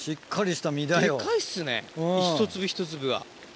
デカいっすね一粒一粒が。